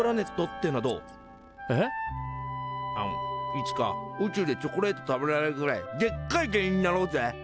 いつか宇宙でチョコレート食べられるぐらいでっかい芸人になろうぜ！